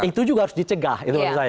itu juga harus dicegah itu menurut saya